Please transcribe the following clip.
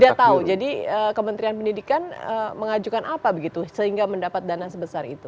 dia tahu jadi kementerian pendidikan mengajukan apa begitu sehingga mendapat dana sebesar itu